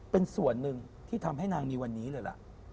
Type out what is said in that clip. เป็นส่วนหนึ่งที่ทำให้นางมีวันนี้เลยล่ะ